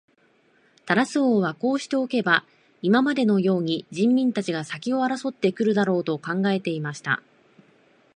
タラス王はこうしておけば、今までのように人民たちが先を争って来るだろう、と考えていました。